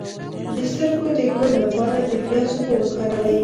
د سترګو د ګل لپاره د پیاز اوبه وکاروئ